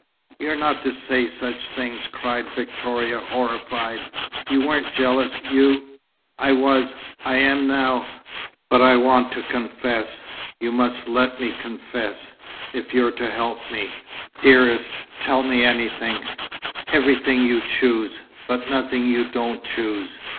"You're not to say such things," cried Victoria, horrified. "You weren't jealous. You " "I was. I am now. But I want to confess. You must let me confess, if you're to help me." "Dearest, tell me anything everything you choose, but nothing you don't choose.